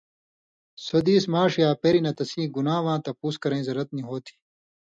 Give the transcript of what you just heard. سو دیس ماݜ یا پېریۡ نہ تسیں گُناں واں تپُوس کرَیں زرت نی ہو تھی۔